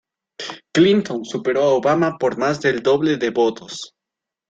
Clinton superó a Obama por más del doble de votos.